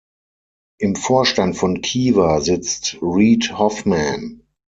Im Vorstand von Kiva sitzt Reid Hoffman.